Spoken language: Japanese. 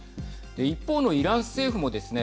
一方のイラン政府もですね